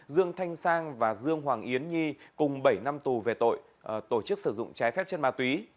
dương thanh sang và dương hoàng yến nhi cùng bảy năm tù về tội tổ chức sử dụng trái phép chất ma túy